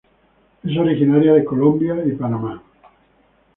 Es originaria de Colombia y Panamá.